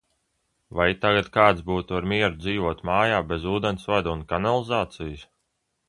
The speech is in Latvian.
Vai tagad kāds būtu ar mieru dzīvot mājā bez ūdensvada un kanalizācijas?